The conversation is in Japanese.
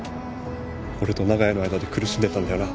俺と長屋の間で苦しんでたんだよな？